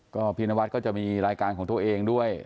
ก็พี่นวัดก็จะมีรายการของตัวเองด้วย